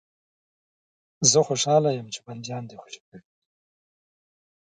چې زه خوشاله یم چې بندیان دې خوشي کړي دي.